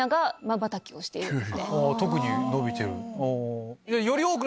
特に伸びてる。